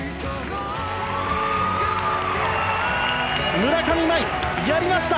村上茉愛やりました！